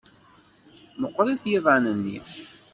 Meɣɣrit yiḍan-nni.